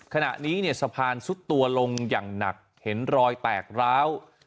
ขณะนี้เนี่ยสะพานซุดตัวลงอย่างหนักเห็นรอยแตกร้าว